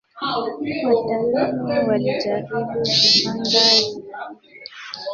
Wataalamu walijaribu kupanga aina hizo kwa vikundi vyenye tabia za pamoja.